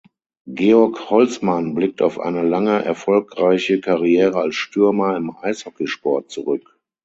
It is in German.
Georg Holzmann blickt auf eine lange erfolgreiche Karriere als Stürmer im Eishockeysport zurück.